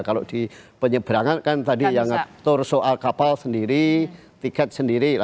kalau di penyeberangan kan tadi yang ngatur soal kapal sendiri tiket sendiri